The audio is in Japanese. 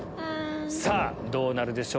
さぁどうなるでしょうか？